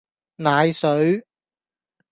奶水